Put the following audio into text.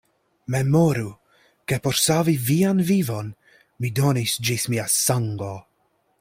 Memoru, ke por savi vian vivon, mi donis ĝis mia sango.